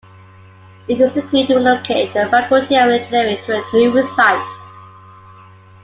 It was agreed to relocate the Faculty of Engineering to a new site.